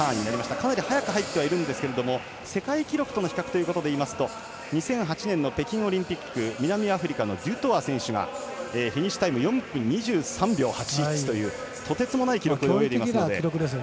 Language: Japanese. かなり早く入ってはいますが世界記録との比較ですと２００８年の北京オリンピック南アフリカの選手がフィニッシュタイム４分２３秒８１というとてつもない記録で泳いでいます。